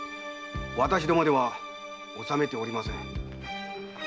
私どもでは納めておりません。